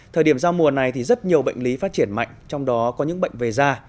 thời điểm giao mùa này thì rất nhiều bệnh lý phát triển mạnh trong đó có những bệnh về da